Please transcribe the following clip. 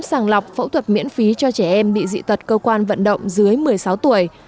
sàng lọc phẫu thuật miễn phí cho trẻ em bị dị tật cơ quan vận động dưới một mươi sáu tuổi